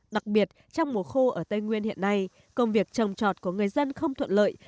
đặc biệt trong mùa khô ở tây nguyên hiện nay công việc trồng trọt của người dân không thuận lợi